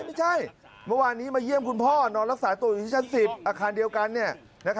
ไม่ใช่เมื่อวานนี้มาเยี่ยมคุณพ่อนอนรักษาตัวอยู่ที่ชั้น๑๐อาคารเดียวกัน